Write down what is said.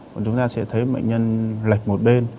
còn chúng ta sẽ thấy bệnh nhân lệch một bên